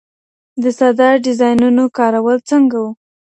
د ساده ډيزاينونو کارول څنګه وو؟